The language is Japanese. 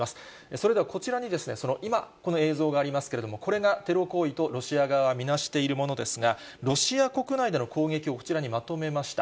それではこちらに、今、この映像がありますけれども、これがテロ行為とロシア側が見なしているものですが、ロシア国内での攻撃をこちらにまとめました。